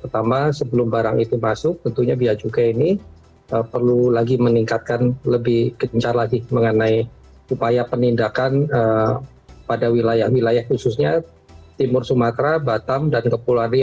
pertama sebelum barang itu masuk tentunya biaya cukai ini perlu lagi meningkatkan lebih gencar lagi mengenai upaya penindakan pada wilayah wilayah khususnya timur sumatera batam dan kepulauan riau